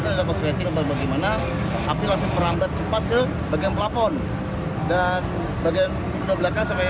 ada konsultasi bagaimana tapi langsung meranggat cepat ke bagian plafon dan bagian belakang sampai